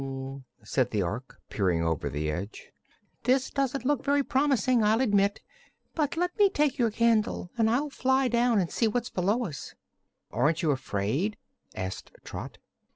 said the Ork, peering over the edge; "this doesn't look very promising, I'll admit. But let me take your candle, and I'll fly down and see what's below us." "Aren't you afraid?" asked Trot.